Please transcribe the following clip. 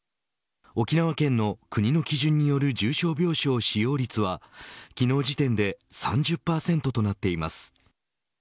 沖縄県の国の基準による重症病床使用率は昨日時点で３０％となっています。